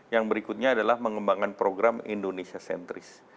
yang berikutnya adalah mengembangkan program indonesia sentris